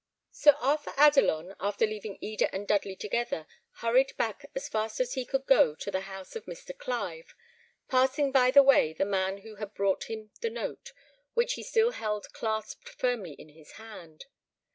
Sir Arthur Adelon, after leaving Eda and Dudley together, hurried back as fast as he could go to the house of Mr. Clive, passing by the way the man who had brought him the note, which he still held clasped firmly in his hand.